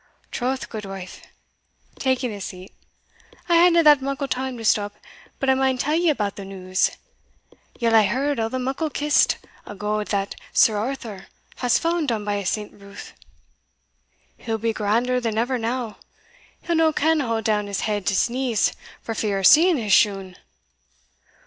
"Troth, gudewife" (taking a seat), "I haena that muckle time to stop but I maun tell ye about the news. Yell hae heard o' the muckle kist o' gowd that Sir Arthur has fund down by at St. Ruth? He'll be grander than ever now he'll no can haud down his head to sneeze, for fear o' seeing his shoon."